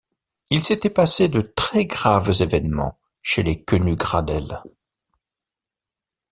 il s’était passé de très-graves événements chez les Quenu-Gradelle.